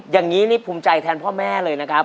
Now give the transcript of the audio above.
อย่างนี้นี่ภูมิใจแทนพ่อแม่เลยนะครับ